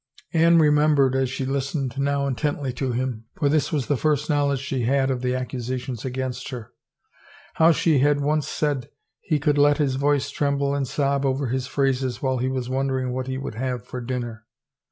Anne remembered as she lis 351 THE FAVOR OF KINGS tened now intently to him — for this was the first knowl edge she had of the accusations against her — how she had once said he could let his voice tremble and sob over his phrases while he was wondering what he would have for dinner.